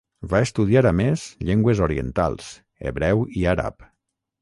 Va estudiar a més llengües orientals: hebreu i àrab.